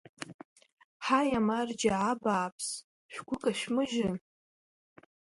Ҳаи амарџьа абааԥсы, шәгәы кашәмыжьын!